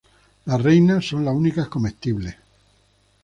Las reinas son las únicas comestibles.